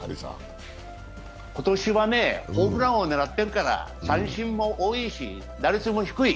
今年はね、ホームラン王を狙っているから三振も多いし、打率も低い。